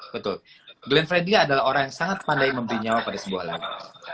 betul glenn fredly adalah orang yang sangat pandai memberi nyawa pada sebuah lagu